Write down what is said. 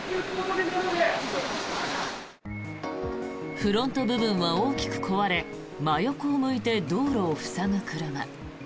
フロント部分は大きく壊れ真横を向いて道路を塞ぐ車。